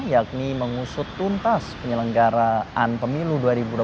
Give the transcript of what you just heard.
yakni mengusut tuntas penyelenggaraan pemilu dua ribu dua puluh